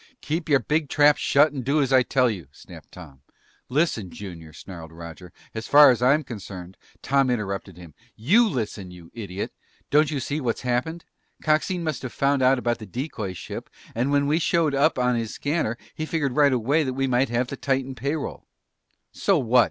"Keep your big trap shut and do as I tell you!" snapped Tom. "Listen, Junior!" snarled Roger. "As far as I'm concerned " Tom interrupted him. "You listen, you idiot! Don't you see what's happened? Coxine must have found out about the decoy ship, and when we showed up on his scanner, he figured right away that we might have the Titan pay roll." "So what?"